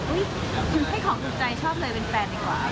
อุ๊ยให้ขอบคุณใจชอบเลยเป็นแฟนดีกว่า